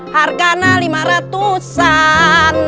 hargana lima ratusan